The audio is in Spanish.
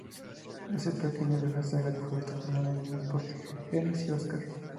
Es el pequeño de una saga de futbolistas formada además por Genís y Óscar.